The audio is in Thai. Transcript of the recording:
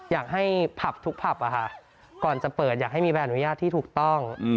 อยากให้ผับทุกผับก่อนจะเปิดอยากให้มีใบอนุญาตที่ถูกต้อง